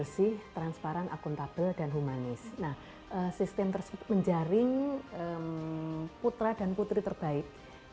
sistem tersebut menjaring putra dan putri terbaik